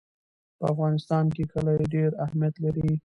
په افغانستان کې کلي ډېر اهمیت لري.